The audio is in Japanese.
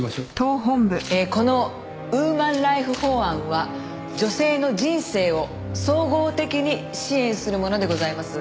このウーマンライフ法案は女性の人生を総合的に支援するものでございます。